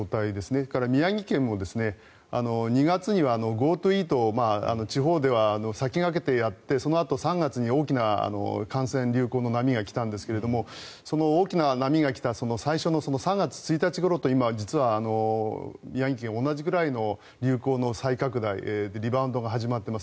それから宮城県も２月にはＧｏＴｏイート地方では先駆けてやってそのあと３月に大きな感染流行の波が来たんですけれどもその大きな波が来た最初の３月の１日ごろと今は、実は宮城県同じくらいの流行の再拡大リバウンドが始まっています。